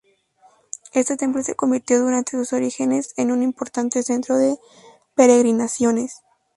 Este templo se convirtió desde sus orígenes en un importante centro de peregrinaciones.